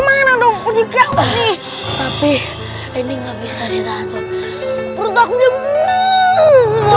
perut aku jempol